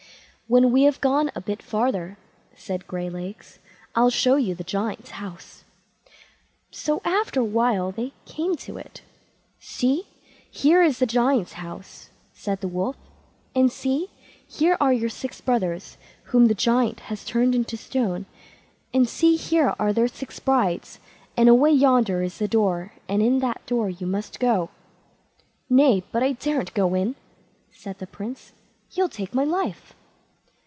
"When we have gone a bit farther", said Graylegs; "I'll show you the Giant's house." So after a while they came to it. "See, here is the Giant's house", said the Wolf; "and see, here are your six brothers, whom the Giant has turned into stone; and see here are their six brides, and away yonder is the door, and in at that door you must go." "Nay, but I daren't go in", said the Prince; "he'll take my life."